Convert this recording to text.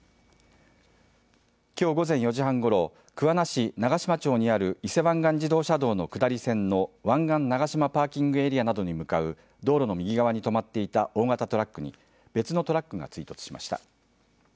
きょう午前４時半ごろ桑名市長島町にある伊勢湾岸自動車道の下り線の湾岸長島パーキングエリアなどに向かう道路の右側に止まっていた大型トラックに別のトラックが追突しました。